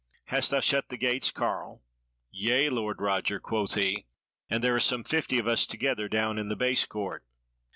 Hast thou shut the gates, carle?" "Yea, Lord Roger," quoth he, "and there are some fifty of us together down in the base court."